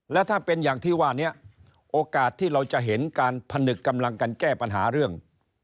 และถ้าเป็นอย่างที่ว่านี้โอกาสที่เราจะเห็นการผนึกกำลังกันแก้ปัญหาเรื่อง